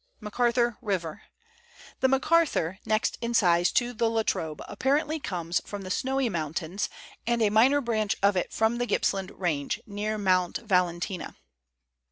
MACARTHUR RIVER. The Macarthur, next in size to the La Trobe, apparently comes from the Snowy Mountains, and a minor branch of it from the Gippsland Range, near Mount Valentia.